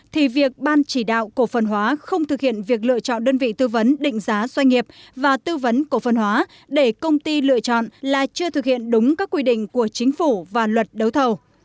thì việc ban chỉ đạo cổ phần hóa không thực hiện việc lựa chọn đơn vị tư vấn định giá doanh nghiệp và tư vấn cổ phân hóa để công ty lựa chọn là chưa thực hiện đúng các quy định của chính phủ và luật đấu thầu